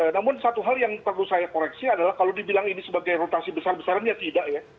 namun satu hal yang perlu saya koreksi adalah kalau dibilang ini sebagai rotasi besar besaran ya tidak ya